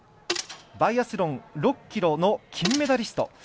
バイアスロン６ｋｍの金メダリスト。